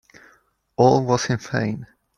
All was in vain.